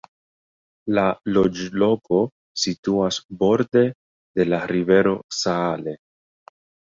La loĝloko situas borde de la rivero Saale.